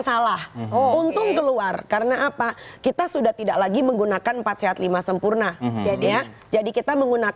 salah untuk keluar karena apa kita sudah tidak lagi menggunakan empat sehat lima sempurna jadi kita